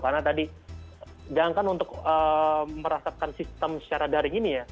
karena tadi jangkau untuk merasakan sistem secara daring ini ya